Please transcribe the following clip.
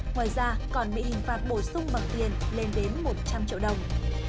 ngoài ra còn bị hình phạt bổ sung bằng tiền lên đến một trăm linh triệu đồng